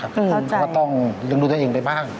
เข้าใจแล้วก็ต้องเลี้ยงดูเนื้อเองไปบ้าง